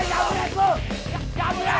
jangan berbicara lagi ya